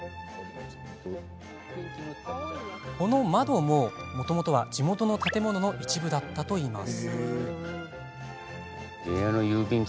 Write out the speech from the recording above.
この窓も、もともとは地元の建物の一部だったといいます。